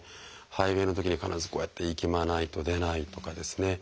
排便のときには必ずこうやっていきまないと出ないとかですね